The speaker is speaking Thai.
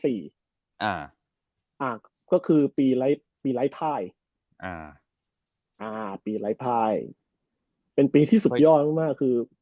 อ่าอ่าก็คือปีไลฟ์ไพรอ่าอ่าปีไลฟ์ไพรเป็นปีที่สุดยอดมากมากคือ